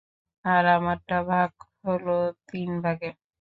আর আমারটা ভাগ হলো তিন ভাগে।